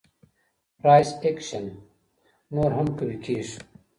فرایس اکشن نور هم قوي کيږي.